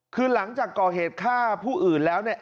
คือหลังจากก่อเหตุฆ่าผู้อื่นแล้วเนี่ย